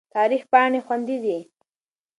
تاریخ پاڼې خوندي دي.